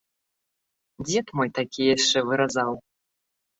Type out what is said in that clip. Дзед мой такія яшчэ выразаў.